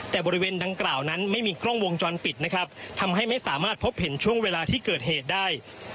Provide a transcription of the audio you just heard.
แต่บริเวณดังกล่าวนั้นไม่มีกล้องวงจรปิดนะครับทำให้ไม่สามารถพบเห็นช่วงเวลาที่เกิดเหตุได้